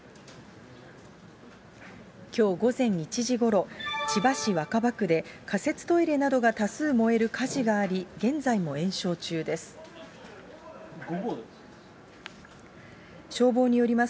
きょう午前１時ごろ、千葉市若葉区で仮設トイレなどが多数燃える火事があり、現在も延焼中です。